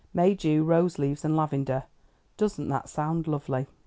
May dew, rose leaves, and lavender, doesn't that sound lovely?"